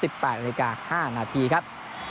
๑๘นาที๕นาทีครับ